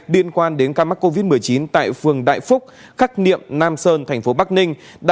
liên quan đến ca mắc covid một mươi chín tại phường đại phúc khắc niệm nam sơn thành phố bắc ninh